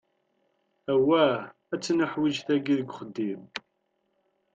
Awwah ad tt-niḥwiǧ tagi deg uxeddim.